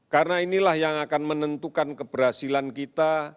karena inilah yang akan menentukan keberhasilan kita